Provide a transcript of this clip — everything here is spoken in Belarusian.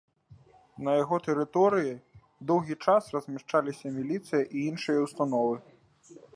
На яго тэрыторыі доўгі час размяшчалася міліцыя і іншыя ўстановы.